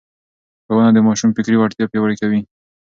ښوونه د ماشوم فکري وړتیا پياوړې کوي.